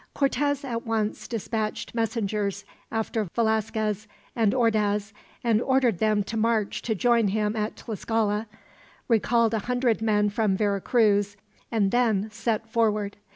Cortez at once dispatched messengers after Velasquez and Ordaz, and ordered them to march to join him at Tlascala; recalled a hundred men from Vera Cruz, and then set forward.